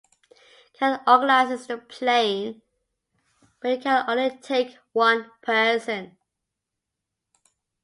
Cad organises the plane, but it can only take one person.